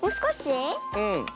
うん。